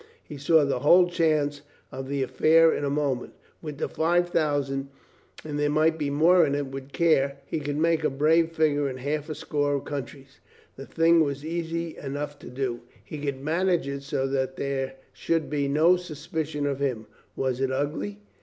He saw the whole chance of the affair in a moment. With the five thousand — and there might be more in it with care — he could make a brave figure in half a score of countries. The thing was «asy enough to do. He could manage it so that there should be no suspicion of him. Was it ugly